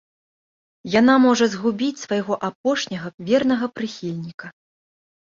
Яна можа згубіць свайго апошняга вернага прыхільніка.